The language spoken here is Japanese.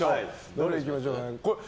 どれいきましょうか。